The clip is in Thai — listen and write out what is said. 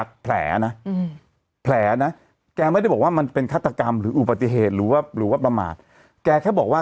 แล้วเวลาคุณไปบาร์โฮสคุณถอดไหมล่ะ